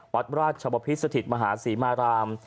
วัดราชบพิษสถิตมหาศรีมาราม